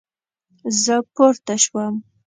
زه پورته شوم